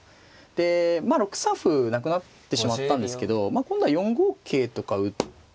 でまあ６三歩なくなってしまったんですけど今度は４五桂とか打って。